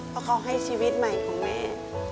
เพราะเขาให้ชีวิตใหม่ของแม่